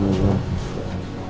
mudah mudahan meeting dengan jessica